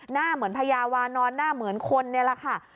หน้าเหมือนพญาวานอนหน้าเหมือนคนนี่แหละค่ะ